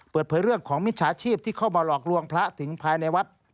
เปิดเผยเรื่องของมิจฉาชีพที่เข้ามาหลอกลวงพระถึงภายในวัด